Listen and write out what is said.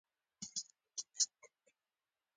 ښايي هلته مورګان هم وويني.